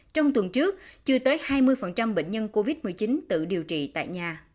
trong tuần trước chưa tới hai mươi bệnh nhân covid một mươi chín tự điều trị tại nhà